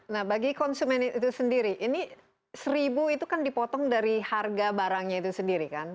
nah bagi konsumen itu sendiri ini seribu itu kan dipotong dari harga barangnya itu sendiri kan